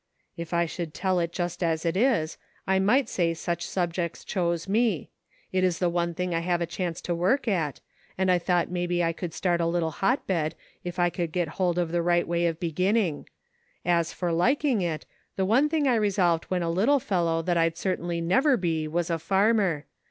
" If I should tell it just as it is, I might say such subjects chose me ; it is the one thing I have a chance to work at, and I thought maybe I could start a little hotbed, if I could get hold of the right way of beginning ; as for liking it, the one thing I resolved when a little fellow that I'd certainly never ' be, was a farmer.